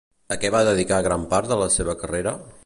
A què va dedicar gran part de la seva carrera?